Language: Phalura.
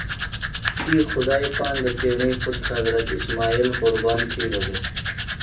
تی خدائی پاندہ تیݨی پُتر حضرت اسمئیل قربان تِھیلوۡ دےۡ۔